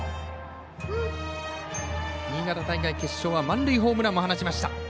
新潟大会決勝は満塁ホームランも放ちました。